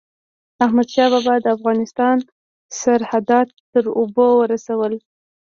احمدشاه بابا د افغانستان سرحدات تر اوبو ورسول.